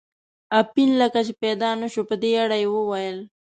اپین لکه چې پیدا نه شو، په دې اړه یې وویل.